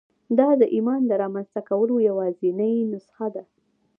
دا د ایمان د رامنځته کولو یوازېنۍ نسخه ده